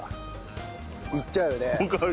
いっちゃうよね。